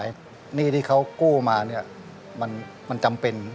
หนี้ที่เขากู้มาเนี่ยมันจำเป็น